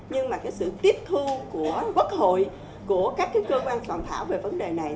nhưng mà cái sự tiếp thu của quốc hội của các cơ quan soạn thảo về vấn đề này